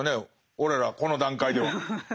俺らこの段階では。